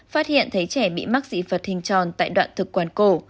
phát hiện thấy trẻ bị mắc dị vật hình tròn tại đoạn thực quản cổ